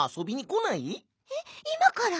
えっいまから？